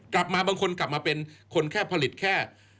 บางคนกลับมาเป็นคนแค่ผลิตแค่